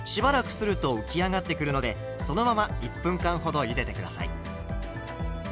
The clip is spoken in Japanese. すると浮き上がってくるのでそのまま１分間ほどゆでて下さい。